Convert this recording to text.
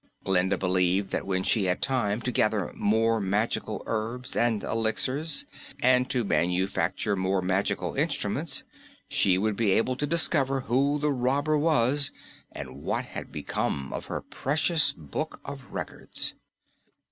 Glinda believed that when she had time to gather more magical herbs and elixirs and to manufacture more magical instruments, she would be able to discover who the robber was and what had become of her precious Book of Records.